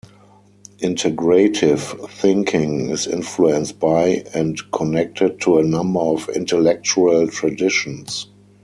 Integrative Thinking is influenced by and connected to a number of intellectual traditions.